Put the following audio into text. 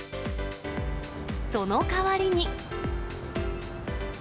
その代わりに。